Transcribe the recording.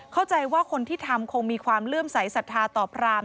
เข้าใจว่าคนที่ทำคงมีความเลื่อมใสสัทธาต่อพราม